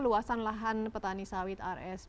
luasan lahan petani sawit rsp